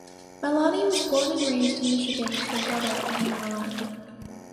Malani was born and raised in Michigan with her brother Anu Malani.